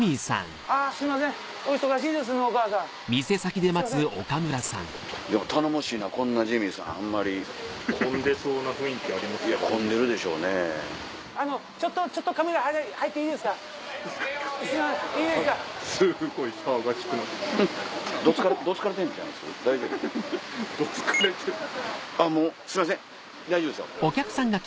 あぁすいません大丈夫ですよ。